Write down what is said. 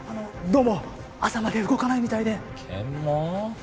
どうも朝まで動かないみたいで検問？